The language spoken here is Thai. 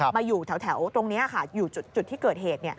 มาอยู่แถวตรงนี้ค่ะอยู่จุดที่เกิดเหตุ